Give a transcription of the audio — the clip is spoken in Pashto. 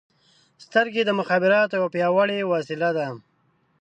• سترګې د مخابراتو یوه پیاوړې وسیله ده.